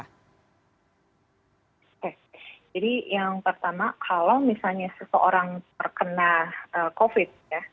oke jadi yang pertama kalau misalnya seseorang terkena covid